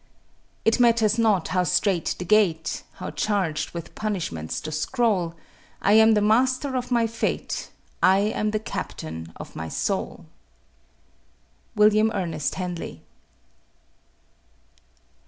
It matters not how strait the gate, How charged with punishments the scroll, I am the master of my fate; I am the captain of my soul. WILLIAM ERNEST HENLEY.